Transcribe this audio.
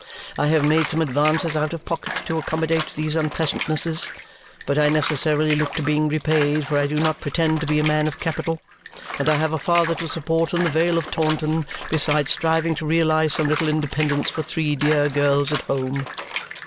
I have made some advances out of pocket to accommodate these unpleasantnesses, but I necessarily look to being repaid, for I do not pretend to be a man of capital, and I have a father to support in the Vale of Taunton, besides striving to realize some little independence for three dear girls at home.